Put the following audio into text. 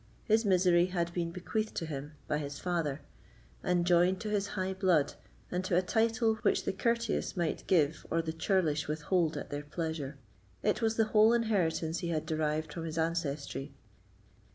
His misery had been bequeathed to him by his father, and, joined to his high blood, and to a title which the courteous might give or the churlish withhold at their pleasure, it was the whole inheritance he had derived from his ancestry.